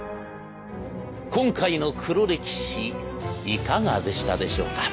今回の黒歴史いかがでしたでしょうか。